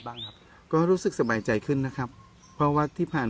บ้างครับก็รู้สึกสบายใจขึ้นนะครับเพราะว่าที่ผ่าน